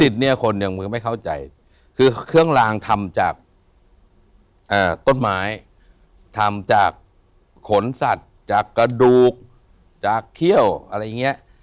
ทำจากขนสัตว์จากกระดูกจากเขี้ยวอะไรอย่างเงี้ย